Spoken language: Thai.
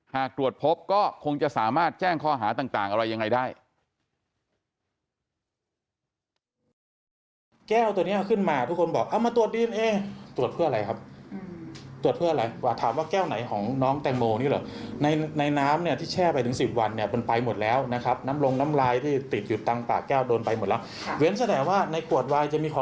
หากตรวจพบก็คงจะสามารถแจ้งข้อหาต่างอะไรยังไงได้